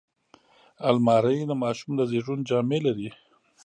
الماري د ماشوم د زیږون جامې لري